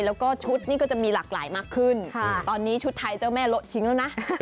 แล้วก็ชุดนี่ก็จะมีหลากหลายมากขึ้นตอนนี้ชุดไทยเจ้าแม่โละทิ้งแล้วนะ